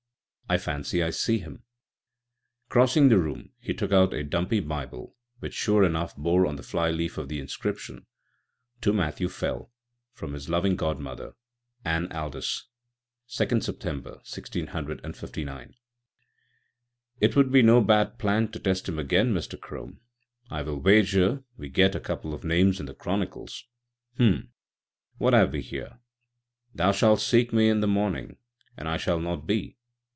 I fancy I see him." Crossing the room, he took out a dumpy Bible, which, sure enough, bore on the flyleaf the inscription: "To Matthew Fell, from his Loving Godmother, Anne Aldous, 2 September, 1659." "It would be no bad plan to test him again, Mr. Crome. I will wager we get a couple of names in the Chronicles. H'm! what have we here? 'Thou shalt seek me in the morning, and I shall not be.'